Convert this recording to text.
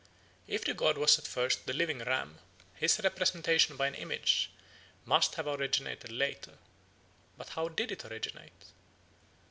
If the god was at first the living ram, his representation by an image must have originated later. But how did it originate?